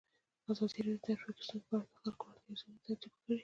ازادي راډیو د ټرافیکي ستونزې په اړه د خلکو وړاندیزونه ترتیب کړي.